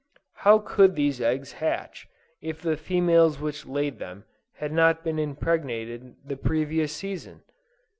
How could these eggs hatch, if the females which laid them, had not been impregnated, the previous season?